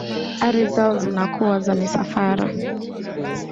ari zao zinazokuwa za misafara